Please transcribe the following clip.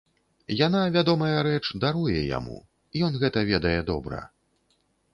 Яна, вядомая рэч, даруе яму, ён гэта ведае добра.